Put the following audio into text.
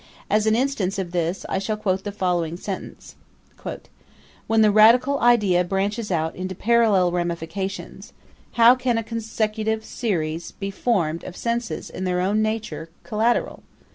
As an instance of this, I shall quote the following sentence: 'When the radical idea branches out into parallel ramifications, how can a consecutive series be formed of senses in their own nature collateral?'